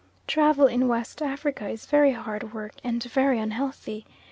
Travel in West Africa is very hard work, and very unhealthy.